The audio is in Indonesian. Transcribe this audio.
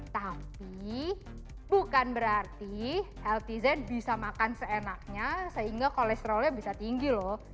tapi bukan berarti healthy zen bisa makan seenaknya sehingga kolesterolnya bisa tinggi loh